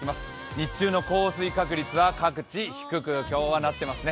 日中の降水確率は今日は各地低くなっていますね。